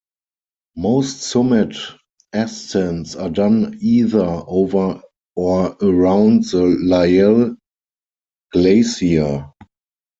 Most summit ascents are done either over or around the Lyell Glacier.